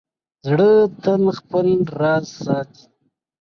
زړه تل خپل راز ساتي.